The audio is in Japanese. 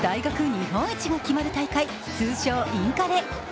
日本一が決まる大会通称・インカレ。